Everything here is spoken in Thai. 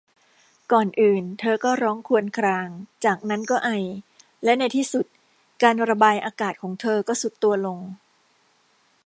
ก่อนอื่นเธอก็ร้องครวญครางจากนั้นก็ไอและในที่สุดการระบายอากาศของเธอก็ทรุดตัวลง